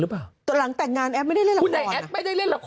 หรือเปล่าตอนหลังแต่งงานแอฟไม่ได้เล่นละครไม่ได้เล่นละคร